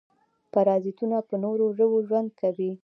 پرازیتونه په نورو ژویو ژوند کوي